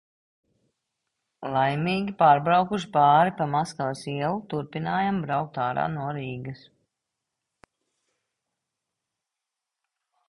Laimīgi pārbraukuši pāri pa Maskavas ielu turpinājām braukt ārā no Rīgas.